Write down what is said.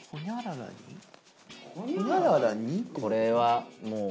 これはもう。